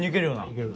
いける。